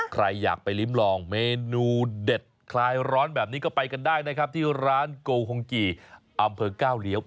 ใครอยากไปลิ้มลองเมนูเด็ดคลายร้อนแบบนี้ก็ไปกันได้นะครับที่ร้านโกหงกี่อำเภอก้าวเลี้ยว